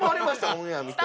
オンエア見て。